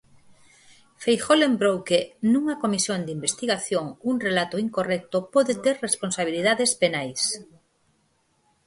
Feijóo lembrou que "nunha comisión de investigación un relato incorrecto pode ter responsabilidades penais".